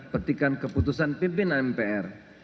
petikan keputusan pimpin mpr